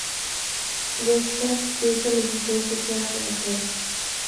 De estas diez solicitudes, ocho eran de mujeres.